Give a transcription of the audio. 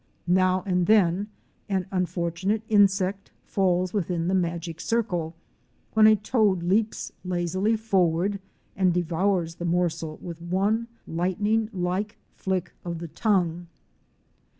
Now and then an unfor tunate insect falls within the magic circle, when a toad leaps lazily forward and devours the morsel with one lightning like flick of the tongue.